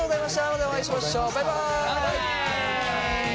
またお会いしましょうバイバイ！